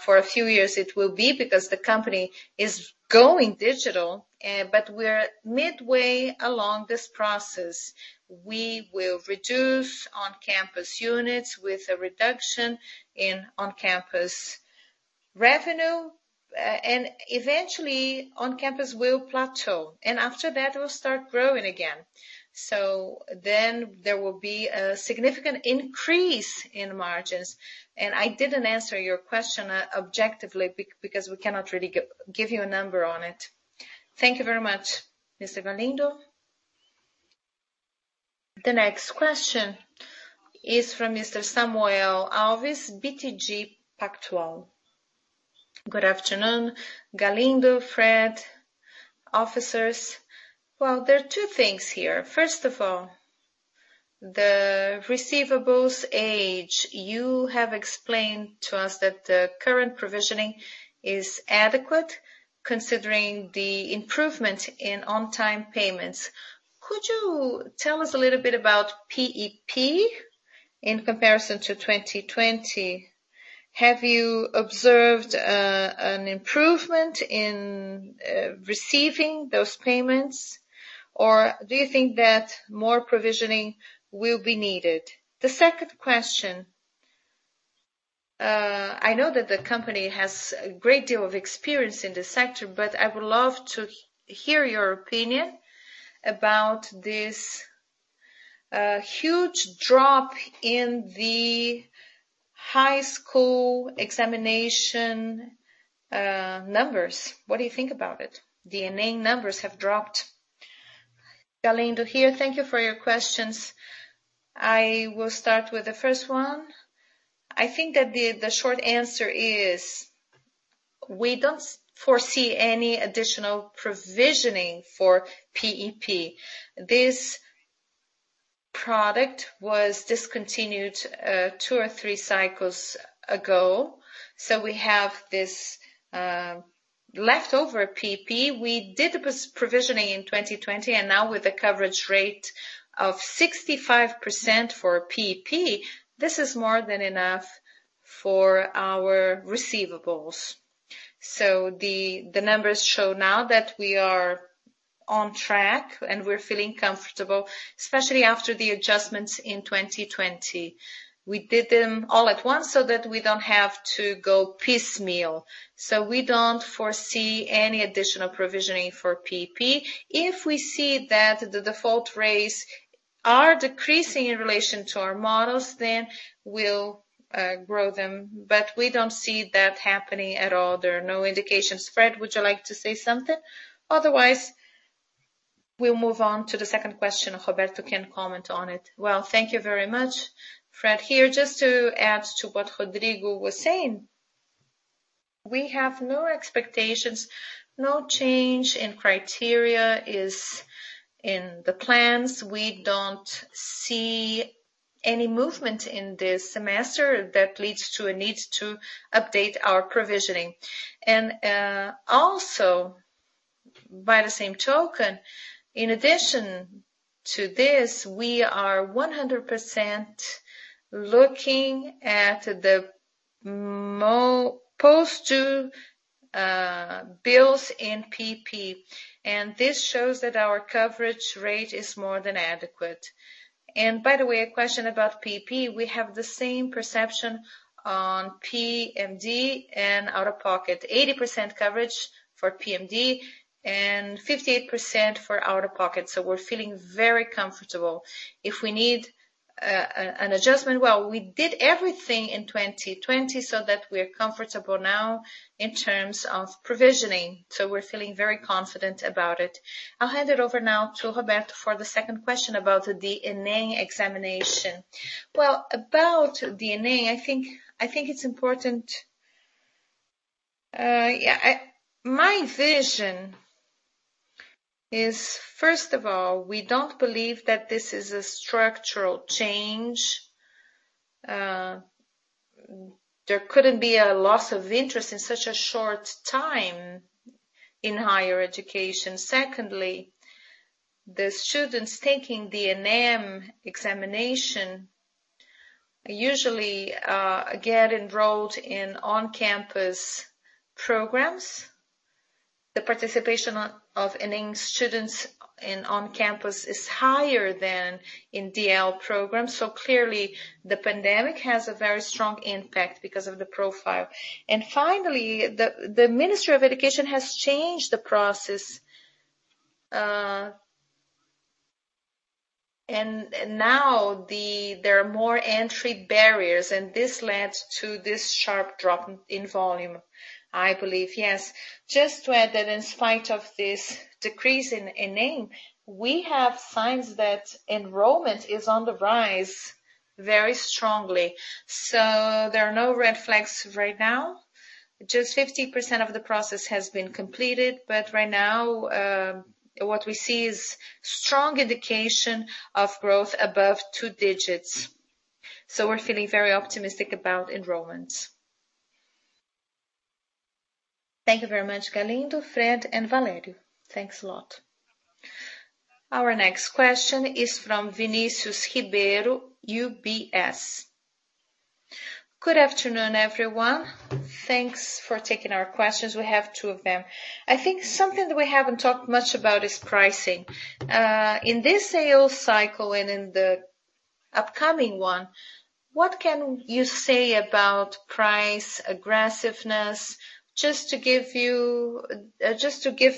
For a few years it will be because the company is going digital, but we're midway along this process. We will reduce on-campus units with a reduction in on-campus revenue, and eventually on-campus will plateau. After that, we'll start growing again. There will be a significant increase in margins. I didn't answer your question objectively because we cannot really give you a number on it. Thank you very much, Mr. Galindo. The next question is from Mr. Samuel Alves, BTG Pactual. Good afternoon, Galindo, Fred, officers. Well, there are two things here. First of all, the receivables age. You have explained to us that the current provisioning is adequate considering the improvement in on-time payments. Could you tell us a little bit about PEP in comparison to 2020? Have you observed an improvement in receiving those payments, or do you think that more provisioning will be needed? The second question. I know that the company has a great deal of experience in this sector, but I would love to hear your opinion about this huge drop in the high school examination numbers. What do you think about it? The ENEM numbers have dropped. Galindo here. Thank you for your questions. I will start with the first one. I think that the short answer is we don't foresee any additional provisioning for PEP. This product was discontinued two or three cycles ago. We have this leftover PEP. We did the provisioning in 2020, and now with a coverage rate of 65% for PEP, this is more than enough for our receivables. The numbers show now that we are on track, and we're feeling comfortable, especially after the adjustments in 2020. We did them all at once so that we don't have to go piecemeal. We don't foresee any additional provisioning for PEP. If we see that the default rates are decreasing in relation to our models, then we'll grow them. We don't see that happening at all. There are no indications. Fred, would you like to say something? Otherwise, we'll move on to the second question, and Roberto can comment on it. Well, thank you very much. Fred here. Just to add to what Rodrigo was saying. We have no expectations. No change in criteria is in the plans. We don't see any movement in this semester that leads to a need to update our provisioning. Also by the same token, in addition to this, we are 100% looking at the post-due bills in PEP, and this shows that our coverage rate is more than adequate. By the way, a question about PEP. We have the same perception on PMT and out-of-pocket, 80% coverage for PMT and 58% for out-of-pocket. We're feeling very comfortable. If we need an adjustment, well, we did everything in 2020 so that we're comfortable now in terms of provisioning. We're feeling very confident about it. I'll hand it over now to Roberto for the second question about the ENEM examination. Well, about ENEM, my vision is, first of all, we don't believe that this is a structural change. Secondly, there couldn't be a loss of interest in such a short time in higher education. The students taking the ENEM examination usually get enrolled in on-campus programs. The participation of ENEM students in on-campus is higher than in DL programs. Clearly the pandemic has a very strong impact because of the profile. Finally, the Ministry of Education has changed the process. Now there are more entry barriers, and this led to this sharp drop in volume, I believe. Yes. Just to add that in spite of this decrease in ENEM, we have signs that enrollment is on the rise very strongly. There are no red flags right now. Just 15% of the process has been completed, but right now, what we see is strong indication of growth above two digits. We're feeling very optimistic about enrollments. Thank you very much, Galindo, Fred, and Valério. Thanks a lot. Our next question is from Vinicius Ribeiro, UBS. Good afternoon, everyone. Thanks for taking our questions. We have 2 of them. I think something that we haven't talked much about is pricing. In this sales cycle and in the upcoming one, what can you say about price aggressiveness? Just to give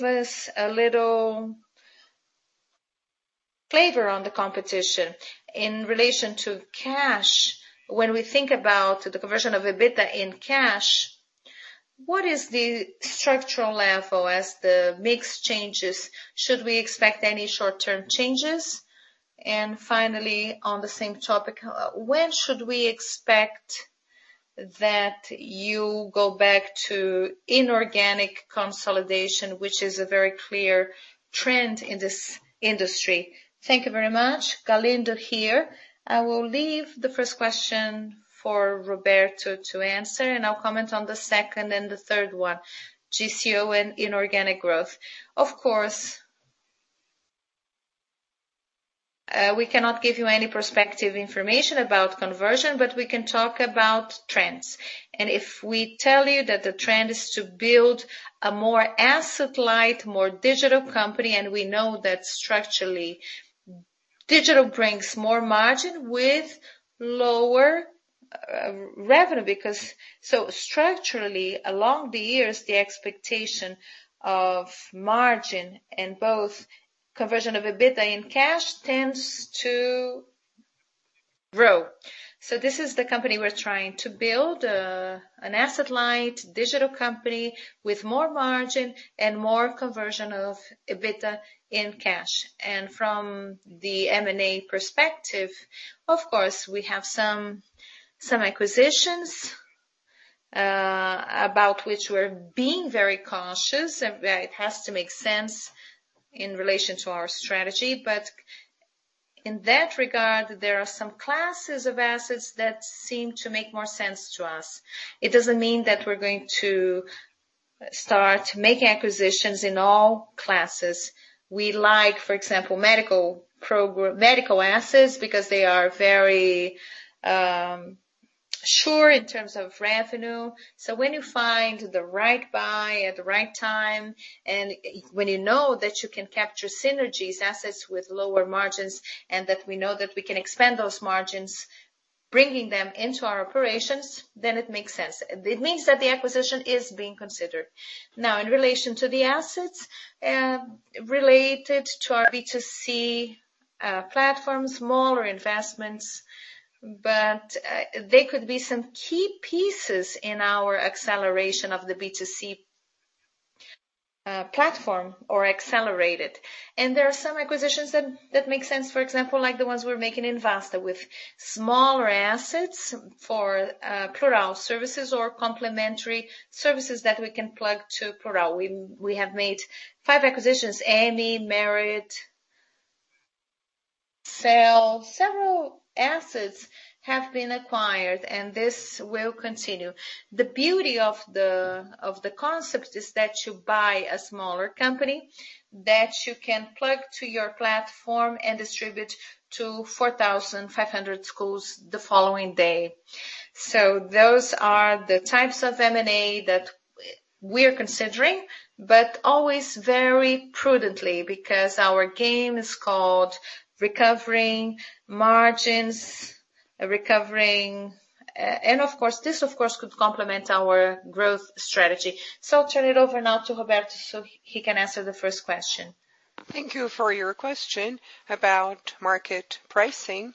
us a little flavor on the competition. In relation to cash, when we think about the conversion of EBITDA in cash, what is the structural level as the mix changes? Should we expect any short-term changes? Finally, on the same topic, when should we expect that you go back to inorganic consolidation, which is a very clear trend in this industry? Thank you very much. Galindo here. I will leave the first question for Roberto to answer, and I'll comment on the second and the third one, GCO and inorganic growth. Of course, we cannot give you any prospective information about conversion, we can talk about trends. If we tell you that the trend is to build a more asset-light, more digital company, we know that structurally, digital brings more margin with lower revenue. Structurally, along the years, the expectation of margin and both conversion of EBITDA and cash tends to grow. This is the company we're trying to build, an asset-light digital company with more margin and more conversion of EBITDA in cash. From the M&A perspective, of course, we have some acquisitions about which we're being very cautious, and it has to make sense in relation to our strategy. In that regard, there are some classes of assets that seem to make more sense to us. It doesn't mean that we're going to start making acquisitions in all classes. We like, for example, medical assets because they are very sure in terms of revenue. When you find the right buy at the right time, and when you know that you can capture synergies assets with lower margins, and that we know that we can expand those margins, bringing them into our operations, then it makes sense. It means that the acquisition is being considered. In relation to the assets related to our B2C platforms, smaller investments, but they could be some key pieces in our acceleration of the B2C platform or accelerate it. There are some acquisitions that make sense. For example, like the ones we're making in Vasta with smaller assets for Plurall services or complementary services that we can plug to Plurall. We have made 5 acquisitions, Ami, Meritt, SEL. Several assets have been acquired, and this will continue. The beauty of the concept is that you buy a smaller company that you can plug to your platform and distribute to 4,500 schools the following day. Those are the types of M&A that we are considering, but always very prudently because our game is called recovering margins. Of course, this could complement our growth strategy. I'll turn it over now to Roberto so he can answer the first question. Thank you for your question about market pricing.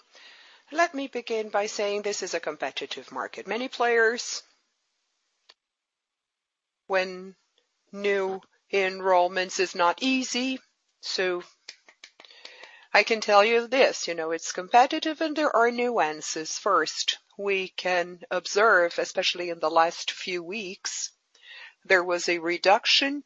Let me begin by saying this is a competitive market. Many players when new enrollments is not easy. I can tell you this, it's competitive and there are nuances. First, we can observe, especially in the last few weeks, there was a reduction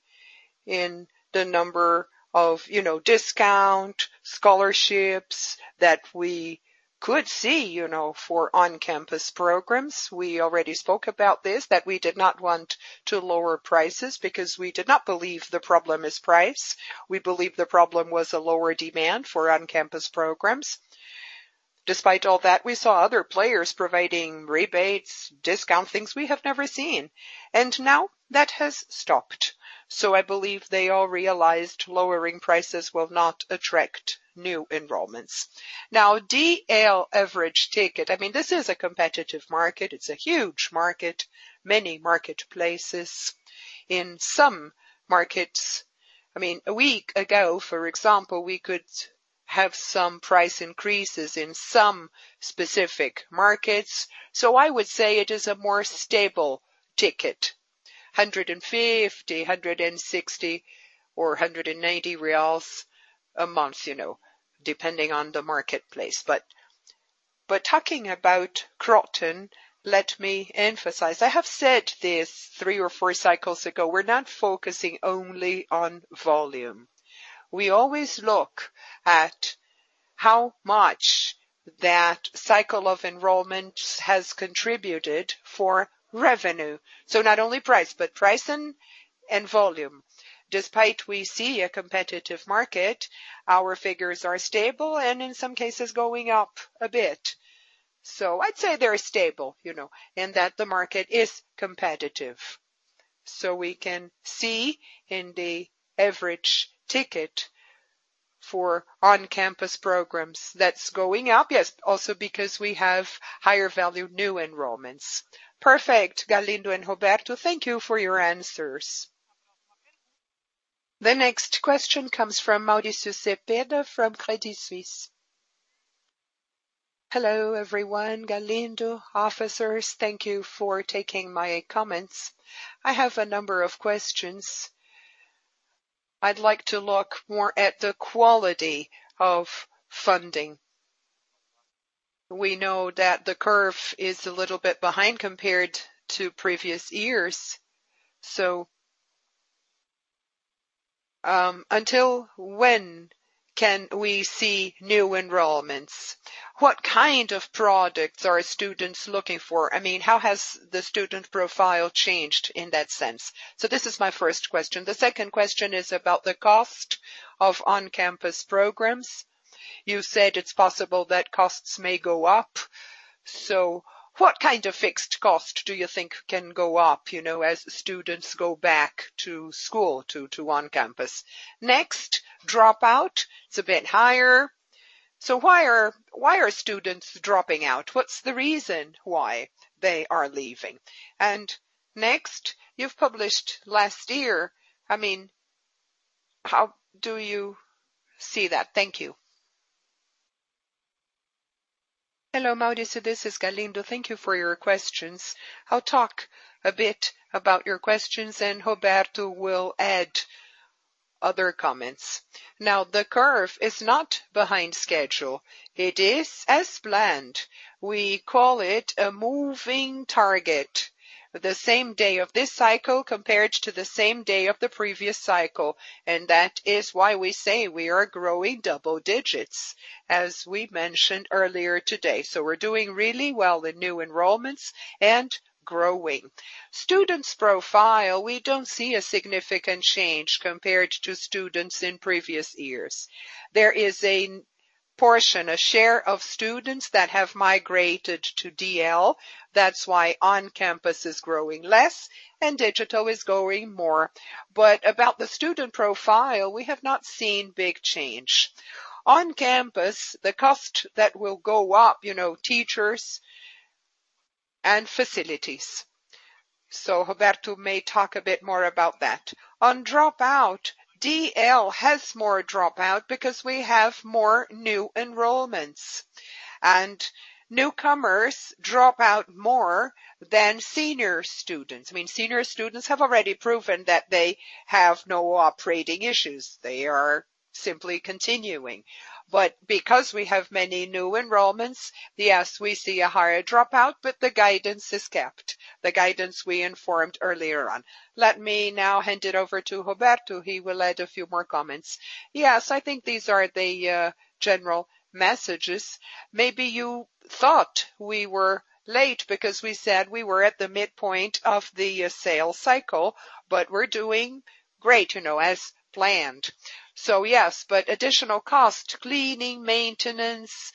in the number of discount, scholarships that we could see for on-campus programs. We already spoke about this, that we did not want to lower prices because we did not believe the problem is price. We believe the problem was a lower demand for on-campus programs. Despite all that, we saw other players providing rebates, discount, things we have never seen. Now that has stopped. I believe they all realized lowering prices will not attract new enrollments. DL average ticket, this is a competitive market. It's a huge market. Many marketplaces. A week ago, for example, we could have some price increases in some specific markets. I would say it is a more stable ticket, 150, 160 or 190 reais a month, depending on the marketplace. Talking about Kroton, let me emphasize. I have said this three or four cycles ago, we're not focusing only on volume. We always look at how much that cycle of enrollment has contributed for revenue. Not only price, but price and volume. Despite we see a competitive market, our figures are stable and in some cases going up a bit. I'd say they're stable, and that the market is competitive. We can see in the average ticket for on-campus programs that's going up. Yes, also because we have higher value new enrollments. Perfect. Galindo and Roberto, thank you for your answers. The next question comes from Mauricio Cepeda from Credit Suisse. Hello everyone, Galindo, officers, thank you for taking my comments. I have a number of questions. I'd like to look more at the quality of funding. We know that the curve is a little bit behind compared to previous years. Until when can we see new enrollments? What kind of products are students looking for? How has the student profile changed in that sense? This is my first question. The second question is about the cost of on-campus programs. You said it's possible that costs may go up. What kind of fixed cost do you think can go up, as students go back to school to on-campus. Next, dropout. It's a bit higher. Why are students dropping out? What's the reason why they are leaving? Next, How do you see that? Thank you. Hello, Mauricio. This is Galindo. Thank you for your questions. I'll talk a bit about your questions, and Roberto will add other comments. The curve is not behind schedule. It is as planned. We call it a moving target. The same day of this cycle compared to the same day of the previous cycle, and that is why we say we are growing double digits, as we mentioned earlier today. We're doing really well in new enrollments and growing. Students' profile, we don't see a significant change compared to students in previous years. There is a portion, a share of students that have migrated to DL. That's why on-campus is growing less and digital is growing more. About the student profile, we have not seen big change. On campus, the cost that will go up, teachers and facilities. Roberto may talk a bit more about that. On dropout, DL has more dropout because we have more new enrollments. Newcomers drop out more than senior students. Senior students have already proven that they have no operating issues. They are simply continuing. Because we have many new enrollments, yes, we see a higher dropout, but the guidance is kept. The guidance we informed earlier on. Let me now hand it over to Roberto. He will add a few more comments. Yes, I think these are the general messages. Maybe you thought we were late because we said we were at the midpoint of the sales cycle, but we're doing great, as planned. Additional cost, cleaning, maintenance,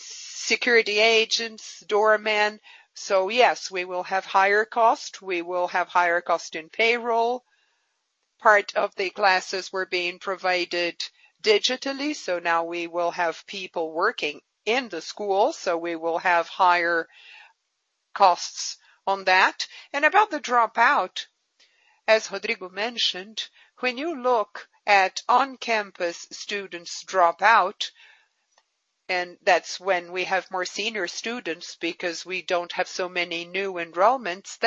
security agents, doormen. We will have higher cost. We will have higher cost in payroll. Part of the classes were being provided digitally. Now we will have people working in the school, we will have higher costs on that. About the dropout, as Rodrigo mentioned, when you look at on-campus students dropout, that's when we have more senior students because we don't have so many new enrollments,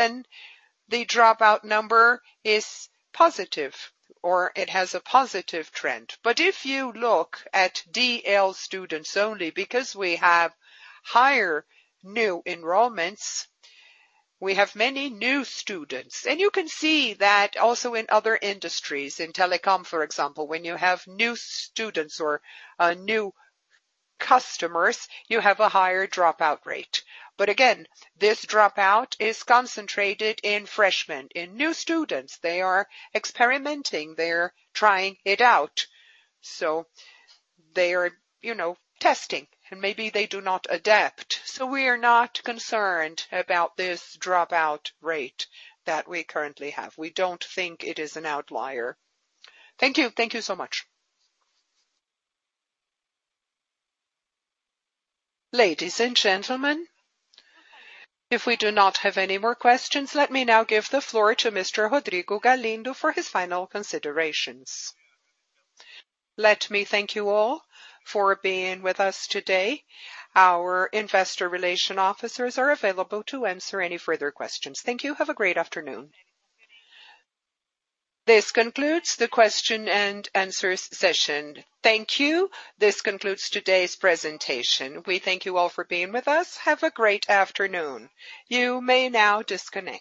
the dropout number is positive, or it has a positive trend. If you look at DL students only, because we have higher new enrollments, we have many new students. You can see that also in other industries, in telecom, for example. When you have new students or new customers, you have a higher dropout rate. Again, this dropout is concentrated in freshmen, in new students. They are experimenting. They're trying it out. They are testing, and maybe they do not adapt. We are not concerned about this dropout rate that we currently have. We don't think it is an outlier. Thank you. Thank you so much. Ladies and gentlemen, if we do not have any more questions, let me now give the floor to Mr. Rodrigo Galindo for his final considerations. Let me thank you all for being with us today. Our investor relation officers are available to answer any further questions. Thank you. Have a great afternoon. This concludes the question and answer session. Thank you. This concludes today's presentation. We thank you all for being with us. Have a great afternoon. You may now disconnect